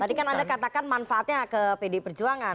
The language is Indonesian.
tadi kan anda katakan manfaatnya ke pdi perjuangan